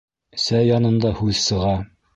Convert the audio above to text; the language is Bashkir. Сәй янында һүҙ сыға.